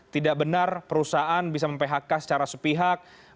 tidak benar perusahaan bisa mempihakkan secara sepihak